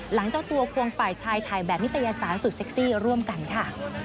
เจ้าตัวควงฝ่ายชายถ่ายแบบนิตยสารสุดเซ็กซี่ร่วมกันค่ะ